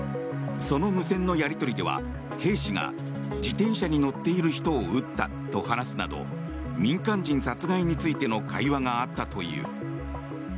その無線のやり取りでは兵士が自転車に乗っている人を撃ったと話すなど民間人殺害についての会話があったという。